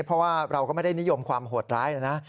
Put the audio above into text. เพราะว่าเราก็ไม่ได้นิยมความโหดร้ายนะนะ